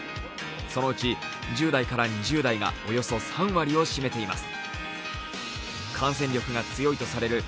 そのうち１０代から２０代がおよそ３割を占めています。